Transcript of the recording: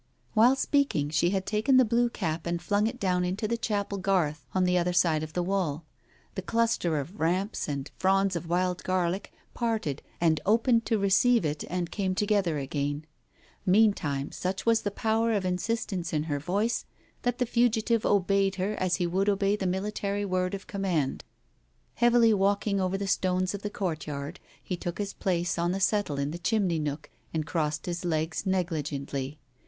While speaking she had taken the blue cap and flung it down into the chapel garth on the other side of the wall. The cluster of "ramps " and fronds of wild garlic parted and opened to receive it and came together again. Meantime such was the power of insistence in her voice that the fugitive obeyed her as he would obey the military word of command. Heavily walking over the stones of the courtyard, he took his place on the settle in the chimney nook and crossed his legs negligently.